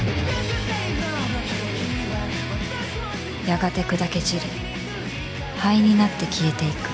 「やがて砕け散り灰になって消えていく」